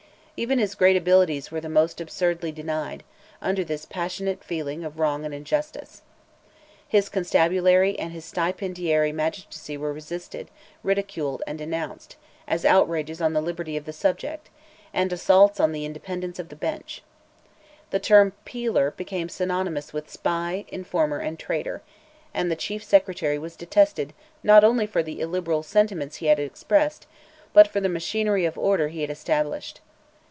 Even his great abilities were most absurdly denied, under this passionate feeling of wrong and injustice. His Constabulary and his Stipendiary Magistracy were resisted, ridiculed, and denounced, as outrages on the liberty of the subject, and assaults on the independence of the bench. The term Peeler became synonymous with spy, informer, and traitor, and the Chief Secretary was detested not only for the illiberal sentiments he had expressed, but for the machinery of order he had established.